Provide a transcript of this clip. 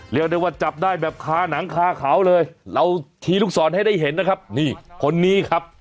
เรียกได้ว่าจับได้แบบคาหนังคาเขาเลยเราชี้ลูกศรให้ได้เห็นนะครับนี่คนนี้ครับ